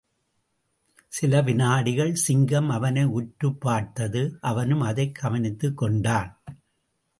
சில விநாடிகள் சிங்கம் அவனை உற்றுப் பார்த்தது, அவனும் அதைக் கவணித்துக்கொண்டான்.